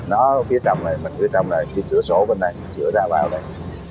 nó phía trong này mình phía trong này cái cửa sổ bên đây cửa ra vào đây